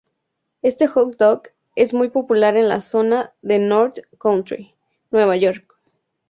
Este hot dog es muy popular en la zona de North Country, Nueva York.